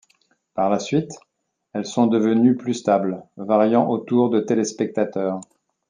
Par la suite, elles sont devenues plus stable, variant autour de téléspectateurs.